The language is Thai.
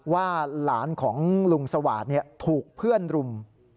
ว่าหลานของลุงสวาสตร์ถูกเพื่อนรุม